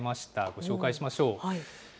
ご紹介しましょう。